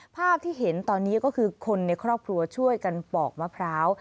ภาพที่เห็นตอนนี้ก็คือคนในครอบครัวช่วยกันปอกมะพร้าว